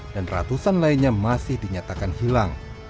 dan ratusan lainnya masih dinyatakan hilang